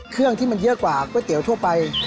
เครื่องที่มันเยอะกว่าก๋วยเตี๋ยวทั่วไป